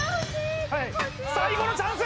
最後のチャンス！